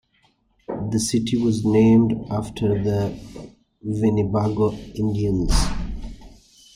The city was named after the Winnebago Indians.